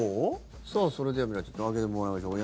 さあ、それでは皆さん上げてもらいましょうか。